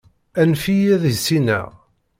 Anef-iyi ad issineɣ.